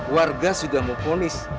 warga sudah mempunis